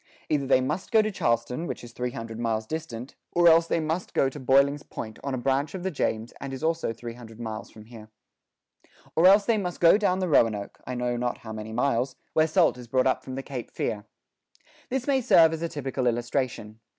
Either they must go to Charleston, which is 300 miles distant ... Or else they must go to Boling's Point in V{a} on a branch of the James & is also 300 miles from here. .. Or else they must go down the Roanoke I know not how many miles where salt is brought up from the Cape Fear."[17:3] This may serve as a typical illustration.